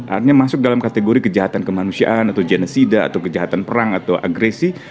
artinya masuk dalam kategori kejahatan kemanusiaan atau genesida atau kejahatan perang atau agresi